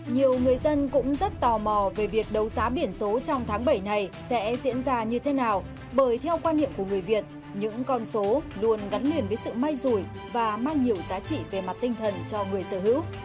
nhiều người dân cũng rất tò mò về việc đấu giá biển số trong tháng bảy này sẽ diễn ra như thế nào bởi theo quan niệm của người việt những con số luôn gắn liền với sự may rủi và mang nhiều giá trị về mặt tinh thần cho người sở hữu